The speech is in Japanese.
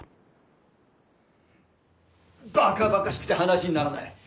バカバカしくて話にならない。